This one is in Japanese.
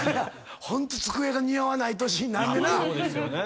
ホント机が似合わない年になんねな。